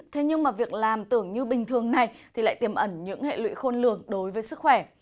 thế nhưng mà việc làm tưởng như bình thường này thì lại tiềm ẩn những hệ lụy khôn lường đối với sức khỏe